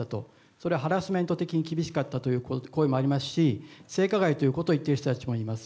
それはハラスメント的に厳しかったという声もありますし、性加害ということをいっている人たちもいます。